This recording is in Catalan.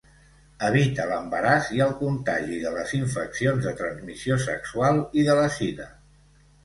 Evita l'embaràs i el contagi de les infeccions de transmissió sexual i de la sida.